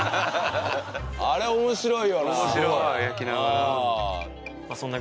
あれ面白いよな。